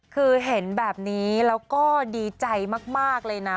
คือเห็นแบบนี้แล้วก็ดีใจมากเลยนะ